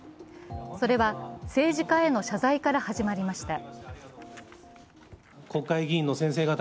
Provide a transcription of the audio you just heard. それは政治家への謝罪から始まりました。